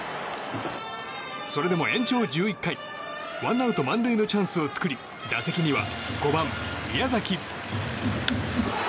それでも延長１１回ワンアウト満塁のチャンスを作り打席には５番、宮崎。